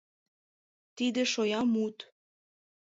Тиде шоя мут.